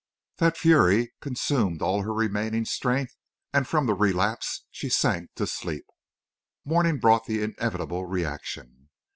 That fury consumed all her remaining strength, and from the relapse she sank to sleep. Morning brought the inevitable reaction.